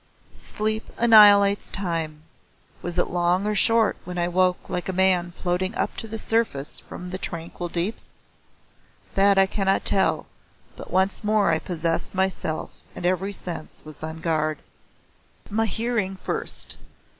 Sleep annihilates time. Was it long or short when I woke like a man floating up to the surface from tranquil deeps? That I cannot tell, but once more I possessed myself and every sense was on guard. My hearing first.